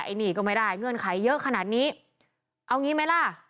อันนี้ก็ไม่ได้เงื่อนไขเยอะขนาดนี้เอางี้ไหมล่ะ